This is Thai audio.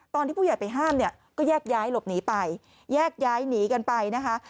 ตอนที่ผู้ใหญ่ไปห้ามเนี่ยก็แยกย้ายหลบหนีไปแยกย้ายหนีกันไปนะคะ